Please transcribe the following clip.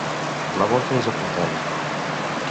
La volta és apuntada.